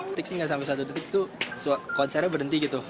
detik sih nggak sampai satu detik itu konsernya berhenti gitu